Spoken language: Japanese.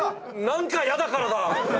何かヤダからだ。